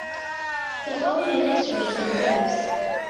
The following ministers were the Revs.